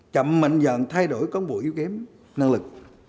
chậm mạnh dạng thay đổi con bộ yếu kém năng lực